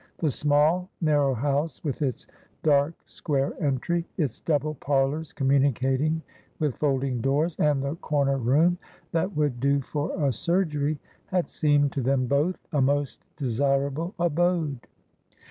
The small, narrow house, with its dark, square entry, its double parlours communicating with folding doors, and the corner room, that would do for a surgery, had seemed to them both a most desirable abode.